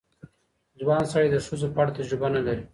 ځوان سړی د ښځو په اړه تجربه نه لري.